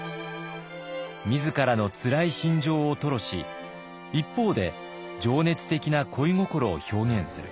自らのつらい心情を吐露し一方で情熱的な恋心を表現する。